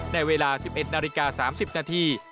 ในเวลา๑๑นาฬิกา๓๐นาที